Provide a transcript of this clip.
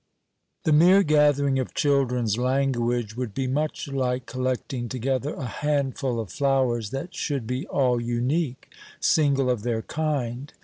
The mere gathering of children's language would be much like collecting together a handful of flowers that should be all unique, single of their kind.